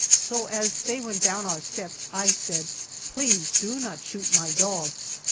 So, as they went down our steps I said, "Please do not shoot my dog!"